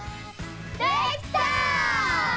できた！